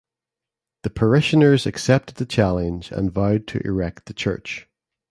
The parishioners accepted the challenge and vowed to erect the church.